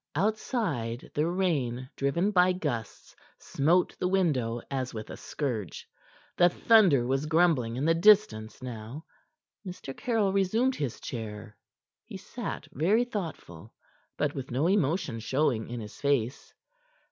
Outside, the rain, driven by gusts, smote the window as with a scourge. The thunder was grumbling in the distance now. Mr. Caryll resumed his chair. He sat very thoughtful, but with no emotion showing in his face.